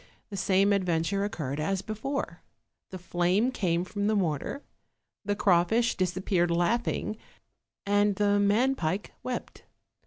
The same adventure occurred as before: the flame came from the mortar, the crawfish disappeared laughing, and the man pike wept.